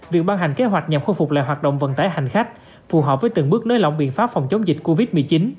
việc ban hành kế hoạch nhằm khôi phục lại hoạt động vận tải hành khách phù hợp với từng bước nới lỏng biện pháp phòng chống dịch covid một mươi chín